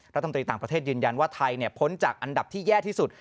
รัฐมนตรีต่างประเทศยืนยันว่าไทยพ้นจากอันดับที่แย่ที่สุด